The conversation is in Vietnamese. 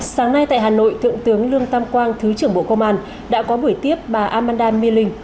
sáng nay tại hà nội thượng tướng lương tam quang thứ trưởng bộ công an đã có buổi tiếp bà amanda my linh